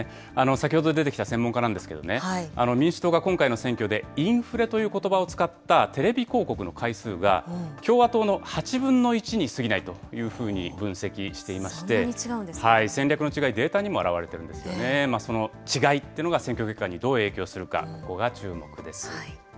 先ほど出てきた専門家なんですけどね、民主党が今回の選挙でインフレということばを使った、テレビ広告の回数が、共和党の８分の１にすぎないというふうに分析していまして、戦略の違い、データにも表れているのでね、その違いというのが、選挙結果にどう影響するか、そこが注目です。